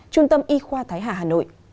trung tâm y khoa thái hà hà nội